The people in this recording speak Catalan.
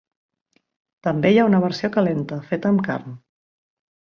També hi ha una versió calenta, feta amb carn.